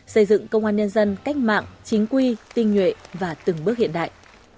xây dựng công an nhân dân cách mạng chính quy tinh nhuệ và từng bước hiện đại